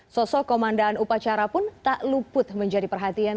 sosok komandan upacara pun tak luput menjadi perhatian